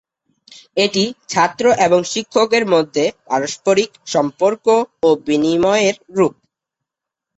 এটি ছাত্র এবং শিক্ষকের মধ্যে পারস্পরিক সম্পর্ক ও বিনিময়ের রূপ।